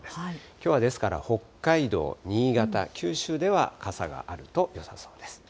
きょうは、ですから北海道、新潟、九州では傘があるとよさそうです。